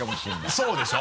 そうでしょ？